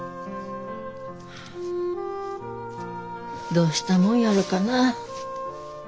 どうしたもんやろかな。